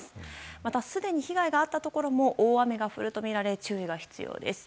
また、すでに被害があったところも大雨が降るとみられ注意が必要です。